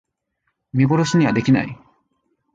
見殺しにはできない